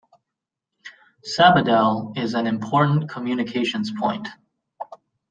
Sabadell is an important communications point.